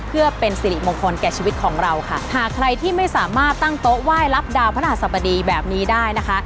เพื่อเป็นสิริมงคลแก่ชีวิตของเราค่ะหากใครที่ไม่สามารถตั้งโต๊ะไหว้รับดาวพระหัสบดีแบบนี้ได้นะคะ